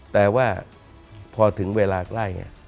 แต่ว่าพอถึงเวลาใกล้